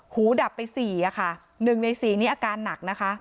หูดับไปสี่อ่ะค่ะหนึ่งในสี่นี้อาการหนักนะคะ